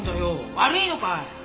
悪いのかい？